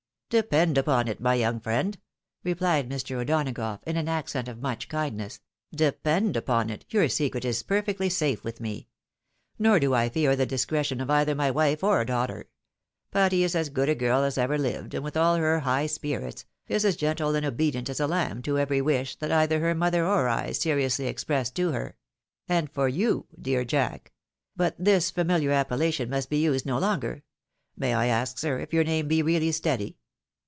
" Depend upon it, my young friend," replied Mr. O'Dona gough, in an accent of much kindness, " depend upon it, your secret is perfectly safe with me ; nor do I fear the discretion of either my wife or daughter. Patty is as good a girl as ever lived, and with aU her high spirits, is as gentle and obedient as a kmb to every wish that either her mother or I seriously ex press to her — ^and for you, dear Jack !— But this famUiar appel HALF CONFIDENCE. 247 lation must he used no longer. May I ask, sir, if your name be really Steady?